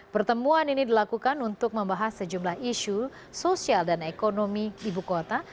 pertemuan ini dilakukan untuk membahas sejumlah isu sosial dan ekonomi ibu kota